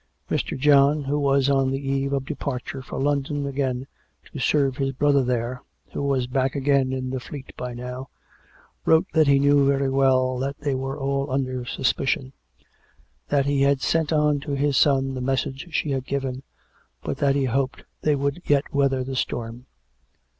Mr. John, who was on the eve of departure for London again to serve his brother there, who was back again in the Fleet by now, wrote that he knew very well that they were all under suspicion, that he had sent on to his son the message she had given, but that he hoped they would yet weather the storm.